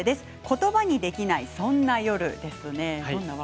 「言葉にできない、そんな夜。」です。